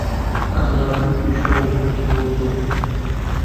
ئەغڵەب دووشەممە و پێنج شەممە و جومعە